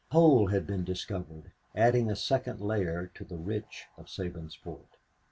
Coal had been discovered, adding a second layer of the rich to Sabinsport.